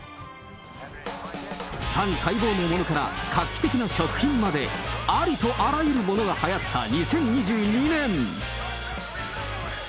ファン待望のものから、画期的な食品まで、ありとあらゆるものがはやった２０２２年。